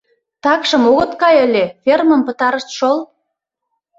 Такшым огыт кай ыле, фермым пытарышт шол.